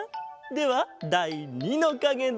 ではだい２のかげだ。